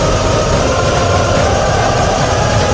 mereka akan menemukan